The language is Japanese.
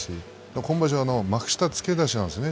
今場所、幕下つけだしなんですね。